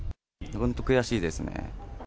本当悔しいですね。